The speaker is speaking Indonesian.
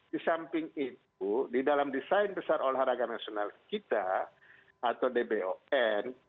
di samping itu di dalam desain besar olahraga nasional kita atau dbon